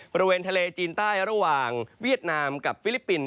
บริเวณทะเลจีนใต้ระหว่างเวียดนามกับฟิลิปปินส